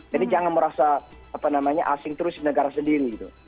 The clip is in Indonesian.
jadi jangan merasa apa namanya asing terus negara sendiri gitu